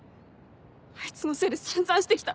あいつのせいで散々してきた。